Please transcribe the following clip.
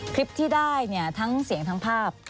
คลิปที่ได้เนี่ยทั้งเสียงทั้งภาพ